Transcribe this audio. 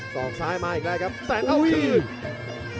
อกซ้ายมาอีกแล้วครับแสนเอาคืน